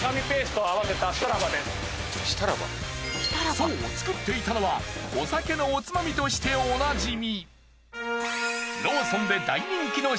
そう作っていたのはお酒のおつまみとしておなじみ。